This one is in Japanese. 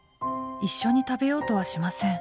一緒に食べようとはしません。